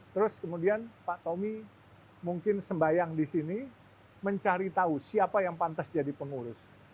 terus kemudian pak tommy mungkin sembayang di sini mencari tahu siapa yang pantas jadi pengurus